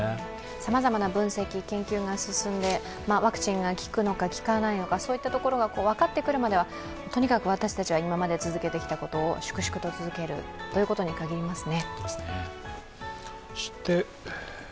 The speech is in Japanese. さまざまな分析、研究が進んでワクチンが効くのか効かないのかそういったところが分かってくるまではとにかく私たちは今まで続けてきたことを粛々と続けるということに限りますね。